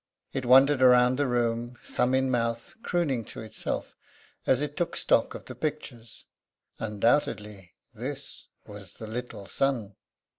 It wandered round the room, thumb in mouth, crooning to itself as it took stock of the pictures. Undoubtedly this was the 'little son.'